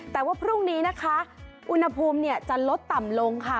แต่ว่าพรุ่งนี้นะคะอุณหภูมิจะลดต่ำลงค่ะ